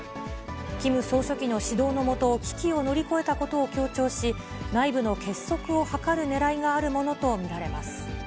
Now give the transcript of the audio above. キム総書記の指導の下、危機を乗り越えたことを強調し、内部の結束を図るねらいがあるものと見られます。